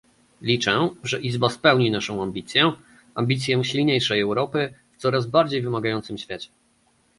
Liczę, że Izba spełni naszą ambicję, ambicję silniejszej Europy, w coraz bardziej wymagającym świecie